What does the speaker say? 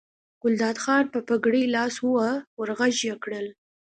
ګلداد خان په پګړۍ لاس وواهه ور غږ یې کړل.